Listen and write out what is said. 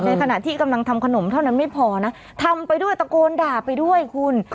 ขณะที่กำลังทำขนมเท่านั้นไม่พอนะทำไปด้วยตะโกนด่าไปด้วยคุณ